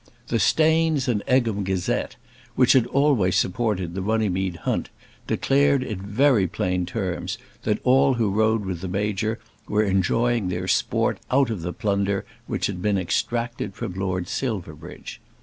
"The Staines and Egham Gazette," which had always supported the Runnymede hunt, declared in very plain terms that all who rode with the Major were enjoying their sport out of the plunder which had been extracted from Lord Silverbridge.